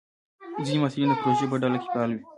ځینې محصلین د پروژې په ډله کې فعال وي.